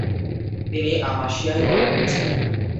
তিনি আমাসিয়ায় বড় হয়েছেন।